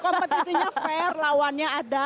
kompetisinya fair lawannya ada